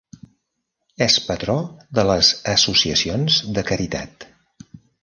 És patró de les associacions de caritat.